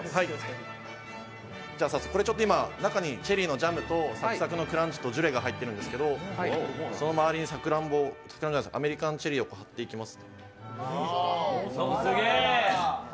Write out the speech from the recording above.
今、中にチェリーのジャムとサクサクのクランチとジュレが入ってるんですけどその周りにさくらんぼ、アメリカンチェリーを飾っていきます。